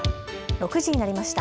６時になりました。